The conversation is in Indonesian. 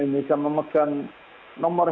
indonesia memegang nomor